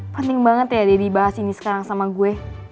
penting banget ya daddy bahas ini sekarang sama gue